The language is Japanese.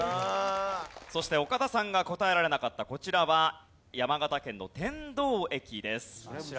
そして岡田さんが答えられなかったこちらは山形県の天童駅です。